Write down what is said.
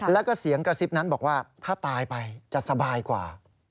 แล้วก็เสียงกระซิบนั้นบอกว่าถ้าตายไปจะสบายกว่า